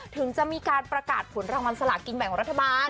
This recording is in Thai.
ถึงจะมีการประกาศผลรางวัลสลากินแบ่งรัฐบาล